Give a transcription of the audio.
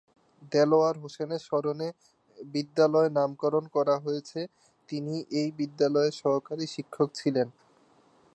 দেলোয়ার হোসেনের স্মরণে বিদ্যালয়ের নামকরণ করা হয়েছে, যিনি এই বিদ্যালয়ের সহকারী শিক্ষক ছিলেন।